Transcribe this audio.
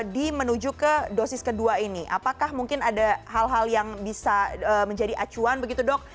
di menuju ke dosis kedua ini apakah mungkin ada hal hal yang bisa menjadi acuan begitu dok